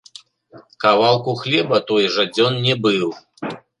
Кавалку хлеба той жадзён не быў.